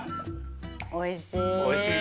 おいしい。